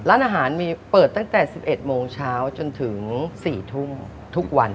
ร้านอาหารมีเปิดตั้งแต่๑๑โมงเช้าจนถึง๔ทุ่มทุกวัน